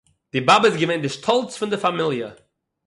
די באַבע איז געווען די שטאָלץ פון דער פאַמיליע